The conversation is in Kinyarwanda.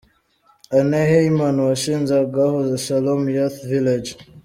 Anne Heyman washize Agahozo Shalom Youth Village.